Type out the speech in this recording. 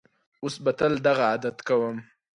اوس به تل دغه عادت کوم.